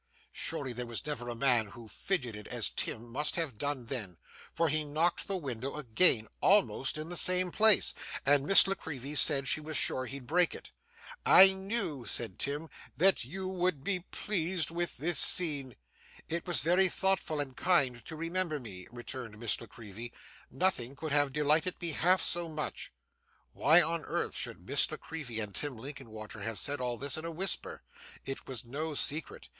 Surely, there never was a man who fidgeted as Tim must have done then; for he knocked the window again almost in the same place and Miss La Creevy said she was sure he'd break it. 'I knew,' said Tim, 'that you would be pleased with this scene.' 'It was very thoughtful and kind to remember me,' returned Miss La Creevy. 'Nothing could have delighted me half so much.' Why on earth should Miss La Creevy and Tim Linkinwater have said all this in a whisper? It was no secret.